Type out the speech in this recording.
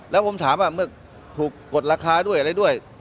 แล้วผมถามว่าเมื่อถูกกดราคาด้วยอะไรด้วย